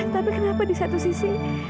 tapi kenapa di satu sisi